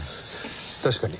確かに。